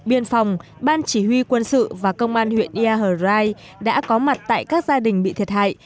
biên phòng ban chỉ huy quân sự và công an huyện yarai đã có mặt tại các gia đình bị thiệt hại